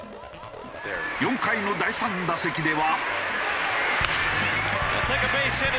４回の第３打席では。